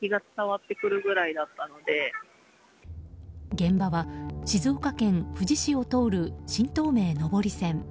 現場は静岡県富士市を通る新東名上り線。